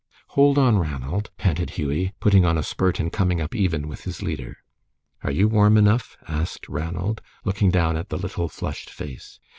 "Hold on, Ranald," panted Hughie, putting on a spurt and coming up even with his leader. "Are you warm enough?" asked Ranald, looking down at the little flushed face.